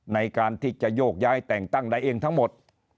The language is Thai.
ในการที่จะโยกย้ายแต่งตั้งได้เองทั้งหมด